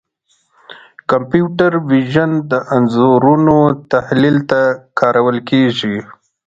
کمپیوټر وژن د انځورونو تحلیل ته کارول کېږي.